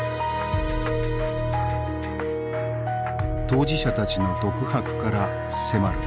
当事者たちの独白から迫る。